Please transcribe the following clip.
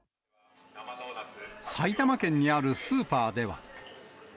埼玉県にあるスーパーでは。